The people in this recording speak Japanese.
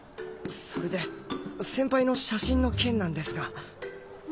それで先輩の写真の件なんですが。